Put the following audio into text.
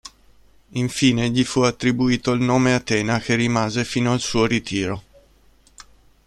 Infine gli fu attribuito il nome Athena che rimase fino al suo ritiro.